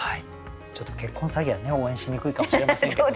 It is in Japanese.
ちょっと結婚詐欺はね応援しにくいかもしれませんけど。